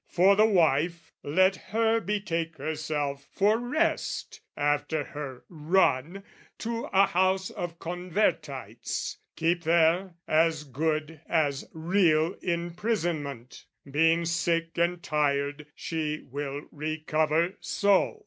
"For the wife, let her betake herself, for rest, "After her run, to a House of Convertites "Keep there, as good as real imprisonment: "Being sick and tired, she will recover so.